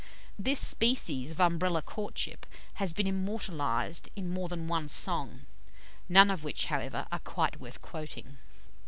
This species of Umbrella courtship has been immortalised in more than one song, none of which, however, are quite worth quoting.